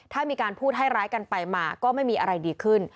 ถ้ามีการพูดให้ร้ายกันไปมาก็ไม่มีอะไรดีขึ้น